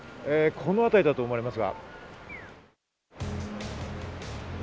この辺りだと思われますが。